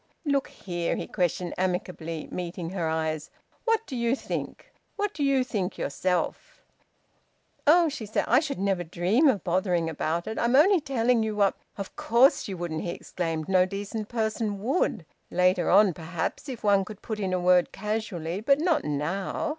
"Look here," he questioned amicably, meeting her eyes, "what do you think? What do you think yourself?" "Oh!" she said, "I should never dream of bothering about it. I'm only telling you what " "Of course you wouldn't!" he exclaimed. "No decent person would. Later on, perhaps, if one could put in a word casually! But not now!